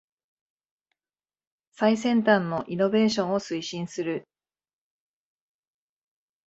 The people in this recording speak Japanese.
最先端のイノベーションを推進する